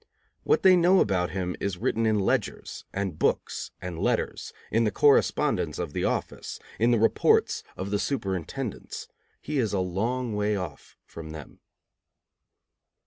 What they know about him is written in ledgers and books and letters, in the correspondence of the office, in the reports of the superintendents. He is a long way off from them.